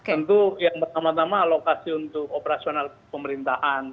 tentu yang pertama tama alokasi untuk operasional pemerintahan